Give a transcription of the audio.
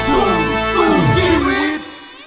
ขอบคุณครับ